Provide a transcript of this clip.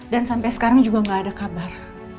dan sampai sekarang juga gak ada kabar